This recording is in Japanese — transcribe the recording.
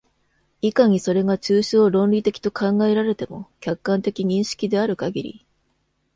いかにそれが抽象論理的と考えられても、客観的認識であるかぎり、